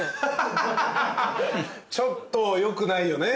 ちょっとよくないよね。